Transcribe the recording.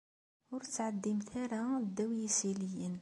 Ur ttɛeddimt ara ddaw yisiliyen.